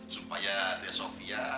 supaya de sofia